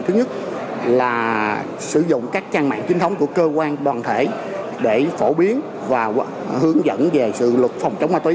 thứ nhất là sử dụng các trang mạng chính thống của cơ quan đoàn thể để phổ biến và hướng dẫn về sự luật phòng chống ma túy